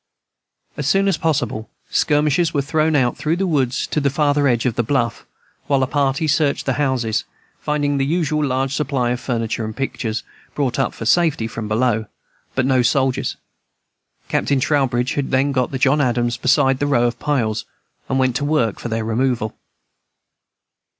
As soon as possible, skirmishers were thrown out through the woods to the farther edge of the bluff, while a party searched the houses, finding the usual large supply of furniture and pictures, brought up for safety from below, but no soldiers. Captain Trowbridge then got the John Adams beside the row of piles, and went to work for their removal.